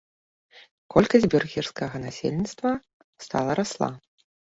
Колькасць бюргерскага насельніцтва стала расла.